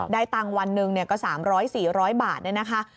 ตังค์วันหนึ่งก็๓๐๐๔๐๐บาทเนี่ยนะคะ